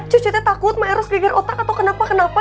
cucu teh takut maeros geger otak atau kenapa kenapa